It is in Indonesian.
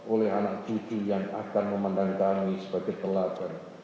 oleh anak cucu yang akan memandang kami sebagai pelajar